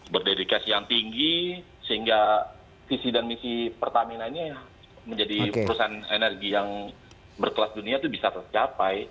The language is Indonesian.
berdedikasi yang tinggi sehingga visi dan misi pertamina ini menjadi perusahaan energi yang berkelas dunia itu bisa tercapai